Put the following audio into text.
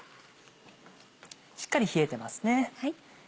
しっかり冷えてますね。